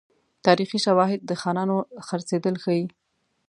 تاریخي شواهد د خانانو خرڅېدل ښيي.